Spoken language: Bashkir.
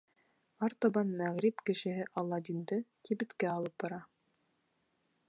Артабан мәғриб кешеһе Аладдинды кибеткә алып бара.